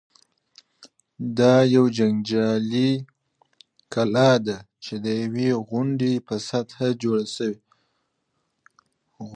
دا یوه جنګي کلا ده چې د یوې غونډۍ په سطحه جوړه شوې.